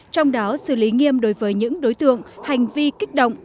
trong đó xử lý nghiêm đối với những đối tượng hành vi kích động